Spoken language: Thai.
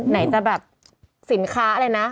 ไหนจะแบบสินค้าอะไรนะ